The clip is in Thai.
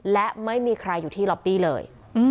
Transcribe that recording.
และไม่มีใครอยู่ที่ล็อปปี้เลย